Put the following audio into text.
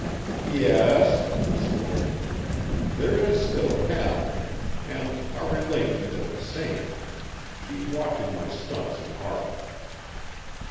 "Yes," slowly, "there is still Katharine; and our relations are the same. She's watching my stunts in art."